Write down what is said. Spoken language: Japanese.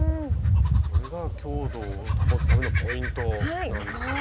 これが強度を保つためのポイントなんですね。